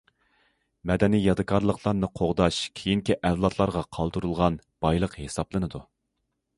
مەدەنىي يادىكارلىقلارنى قوغداش كېيىنكى ئەۋلادلارغا قالدۇرۇلغان بايلىق ھېسابلىنىدۇ.